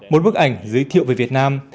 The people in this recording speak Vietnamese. một bức ảnh giới thiệu về việt nam